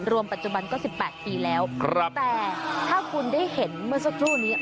รวมปัจจุบันก็สิบแปดปีแล้วครับแต่ถ้าคุณได้เห็นเมื่อสักช่วงนี้